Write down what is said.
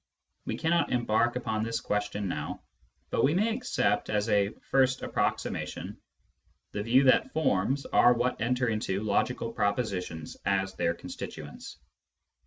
We cannot embark upon this question now, but we may accept, as a first approximation, the view that .forms are. what enter into logical propositions as their constituents.